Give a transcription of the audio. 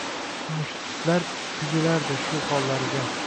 Mushtlar tugilardi shu hollariga